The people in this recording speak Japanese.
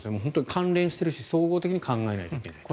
関連しているし総合的に考えなきゃいけない。